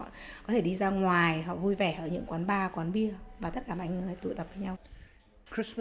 họ có thể đi ra ngoài họ vui vẻ ở những quán bar quán bia và tất cả mọi người tụ tập với nhau